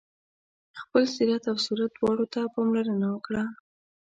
خپل سیرت او صورت دواړو ته پاملرنه وکړه.